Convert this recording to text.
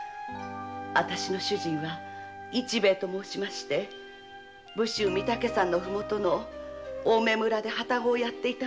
主人は市兵衛と申しまして武州・御岳山の麓青梅村で旅籠をやっていました。